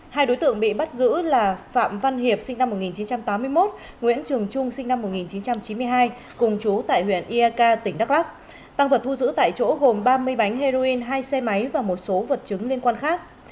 hai đối tượng bị bắt giữ là phạm văn hiệp sinh năm một nghìn chín trăm tám mươi một nguyễn trường trung sinh năm một nghìn chín trăm chín mươi hai cùng chú tại huyện iak tỉnh đắk lắc tăng vật thu giữ tại chỗ gồm ba mươi bánh heroin hai xe máy và một số vật chứng liên quan khác